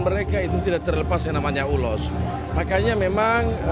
mereka itu tidak terlepas yang namanya ulos makanya memang